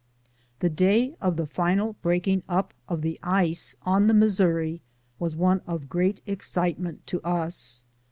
The day of the final breaking up of the ice in the Missouri was one of great excitement to us.